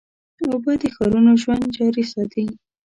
اوبه د ښارونو ژوند جاري ساتي.